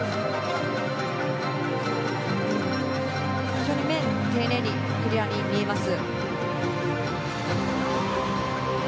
非常に面、丁寧にクリアに見えます。